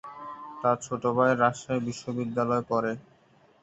তার ছোট ভাই রাজশাহী বিশ্বনিদ্যালয়ে পড়ে।